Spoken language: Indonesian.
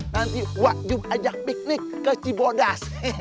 nanti wak jum ajak piknik ke cibodas